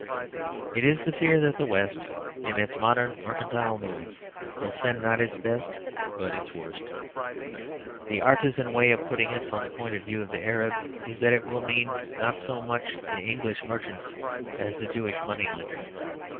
It is the fear that the West, in its modern mercantile mood, will send not its best but its worst. The artisan way of putting it, from the point of view of the Arab, is that it will mean not so much the English merchant as the Jewish money lender.